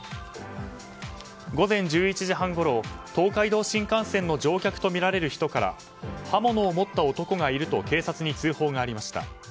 午前１１時半ごろ東海道新幹線の乗客とみられる人から刃物を持った男がいると警察に通報がありました。